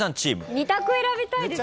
二択選びたいですよね。